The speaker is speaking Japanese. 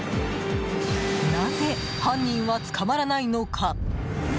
なぜ犯人は捕まらないのか？